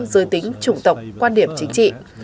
giới tính chủng tộc quan điểm chính trị